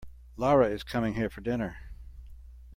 Lara is coming here for dinner.